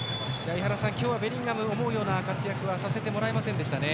井原さん、今日はベリンガム思うような活躍はさせてもらえませんでしたね。